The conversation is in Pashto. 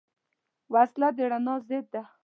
وسله د رڼا ضد ده